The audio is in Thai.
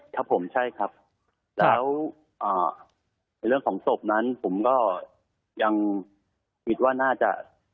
ครับผมใช่ครับแล้วในเรื่องของศพนั้นผมก็ยังคิดว่าน่าจะ